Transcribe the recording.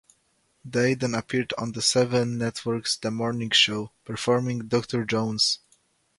They then appeared on the Seven Network's "The Morning Show", performing "Doctor Jones".